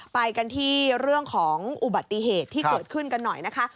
ไปกันที่เรื่องของอุบัติเหตุที่เกิดขึ้นกันหน่อยนะคะ